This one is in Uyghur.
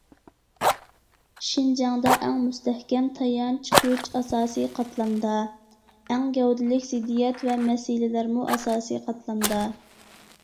شىنجاڭدا ئەڭ مۇستەھكەم تايانچ كۈچ ئاساسىي قاتلامدا، ئەڭ گەۋدىلىك زىددىيەت ۋە مەسىلىلەرمۇ ئاساسىي قاتلامدا.